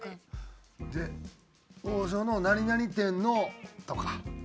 で王将の何々店のとか。